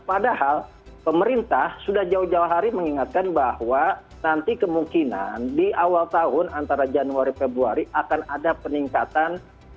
padahal pemerintah sudah jauh jauh hari mengingatkan bahwa nanti kemungkinan di awal tahun antara januari februari akan ada peningkatan